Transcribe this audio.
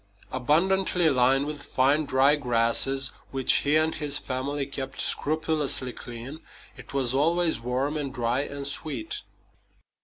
Abundantly lined with fine, dry grasses, which he and his family kept scrupulously clean, it was always warm and dry and sweet.